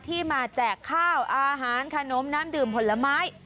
ที่มาแจกข้าวอาหารขนมน้ำดื่มผลไม้